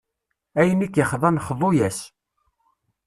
Ayen i k-ixḍan, xḍu-as.